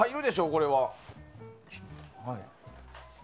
これは。